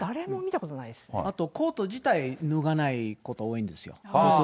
あと、コート自体脱がないこと多いんですよ。